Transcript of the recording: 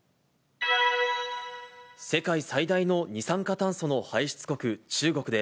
世界最大の二酸化炭素の排出国、中国で、